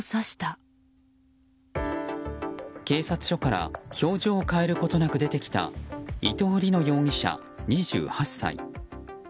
警察署から表情を変えることなく出てきた伊藤りの容疑者、２８歳。